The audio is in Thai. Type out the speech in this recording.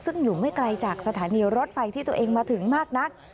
ซึ่งอยู่ไม่ไกลจากสถานีรถไฟที่ตัวเองมาถึงมากนัก